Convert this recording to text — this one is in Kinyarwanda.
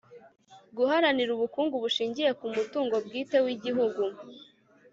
guharanira ubukungu bushingiye ku mutungwo bwite w'igihugu